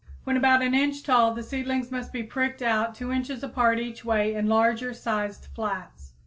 When about an inch tall, the seedlings must be pricked out 2 inches apart each way in larger sized flats.